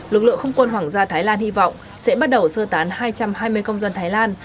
lực lượng không quân hoàng gia thái lan hy vọng sẽ bắt đầu sơ tán hai trăm hai mươi công dân thái lan